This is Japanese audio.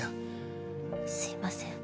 すいません。